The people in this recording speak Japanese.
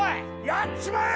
やっちまえ！